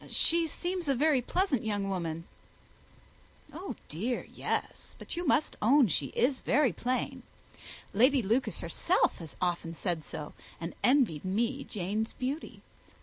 "She seems a very pleasant young woman," said Bingley. "Oh dear, yes; but you must own she is very plain. Lady Lucas herself has often said so, and envied me Jane's beauty.